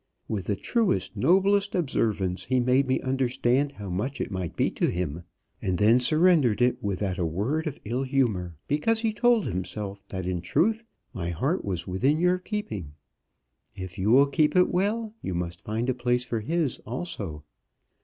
With the truest, noblest observance, he made me understand how much it might be to him, and then surrendered it without a word of ill humour, because he told himself that in truth my heart was within your keeping. If you will keep it well, you must find a place for his also."